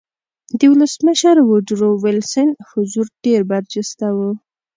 د ولسمشر ووډرو وېلسن حضور ډېر برجسته و